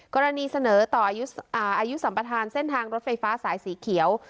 กรณีเสนอต่ออายุสัมประธานเส้นทางรถไฟฟ้าสายสีเขียว